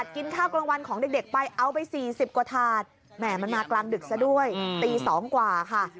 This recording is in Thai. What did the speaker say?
กินข้าวกลางวันของเด็กไปเอาไป๔๐กว่าถาดแหม่มันมากลางดึกซะด้วยตี๒กว่าค่ะ